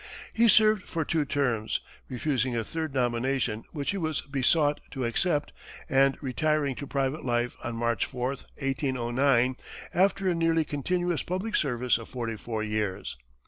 He served for two terms, refusing a third nomination which he was besought to accept, and retiring to private life on March 4, 1809, after a nearly continuous public service of forty four years.